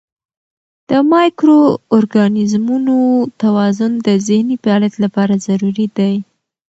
د مایکرو ارګانیزمونو توازن د ذهني فعالیت لپاره ضروري دی.